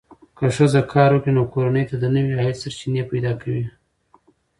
که ښځه کار وکړي، نو کورنۍ ته نوې عاید سرچینې پیدا کوي.